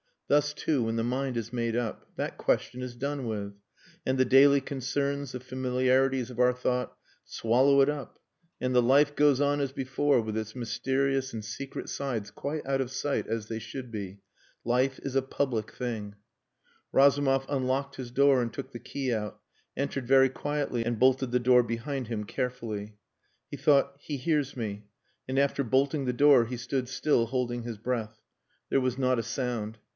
Thus, too, when the mind is made up. That question is done with. And the daily concerns, the familiarities of our thought swallow it up and the life goes on as before with its mysterious and secret sides quite out of sight, as they should be. Life is a public thing." Razumov unlocked his door and took the key out; entered very quietly and bolted the door behind him carefully. He thought, "He hears me," and after bolting the door he stood still holding his breath. There was not a sound.